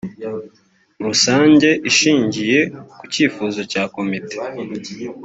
rusange ishingiye ku cyifuzo cya komite